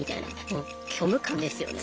もう虚無感ですよね。